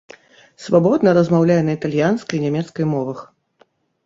Свабодна размаўляе на італьянскай і нямецкай мовах.